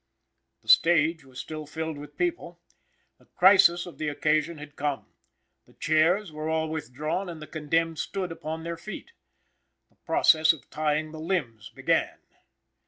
The stage was still filled with people; the crisis of the occasion had come; the chairs were all withdrawn, and the condemned stood upon their feet. The process of tying the limbs began.